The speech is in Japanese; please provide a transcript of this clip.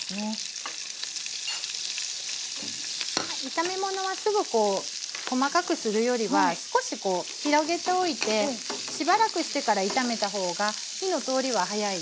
炒め物はすぐ細かくするよりは少し広げておいてしばらくしてから炒めた方が火の通りは早いですね。